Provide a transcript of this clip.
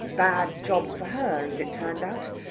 Bad job for her, as it turned out!